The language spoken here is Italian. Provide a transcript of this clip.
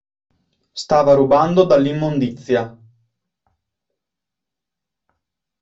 Stava rubando dall'immondizia.